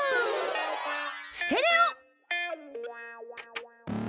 ステレオ！